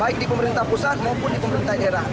baik di pemerintah pusat maupun di pemerintah daerah